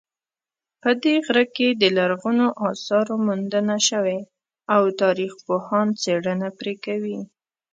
په دې غره کې د لرغونو آثارو موندنه شوې او تاریخپوهان څېړنه پرې کوي